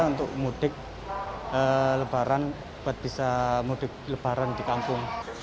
untuk mudik lebaran buat bisa mudik lebaran di kampung